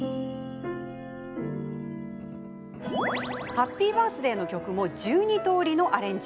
ハッピーバースデーの曲も１２通りのアレンジ。